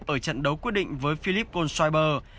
ở trận đấu quyết định với philippe goldschweiber